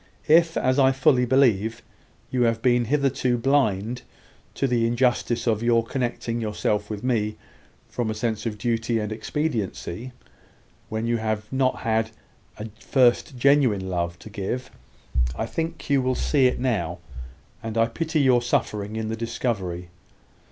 If, as I fully believe, you have been hitherto blind to the injustice of your connecting yourself with me, from a sense of duty and expediency, when you had not a first genuine love to give, I think you will see it now; and I pity your suffering in the discovery.